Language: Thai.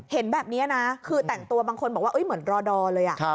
เห็นแบบนี้นะคือแต่งตัวบางคนบอกว่าเหมือนรอดอเลย